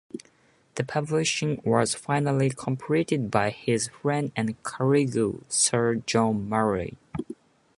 The publishing was finally completed by his friend and colleague Sir John Murray.